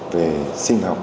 về sinh học